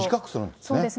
そうですね。